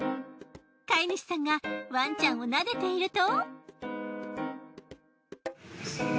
飼い主さんがワンちゃんをなでていると。